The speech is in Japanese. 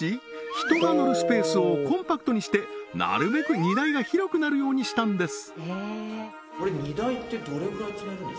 人が乗るスペースをコンパクトにしてなるべく荷台が広くなるようにしたんです